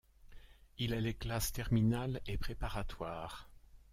Il a les classes terminales et préparatoires.